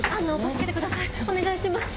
お願いします！